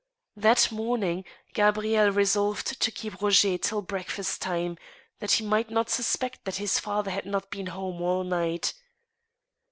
That morning Gabrielle resolved to keep Roger till breakfast time, that he might not suspect that his father had not been home all night.